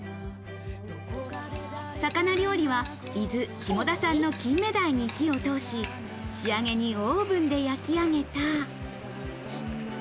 魚料理は伊豆・下田産の金目鯛に火を通し、仕上げにオーブンで焼き上げた。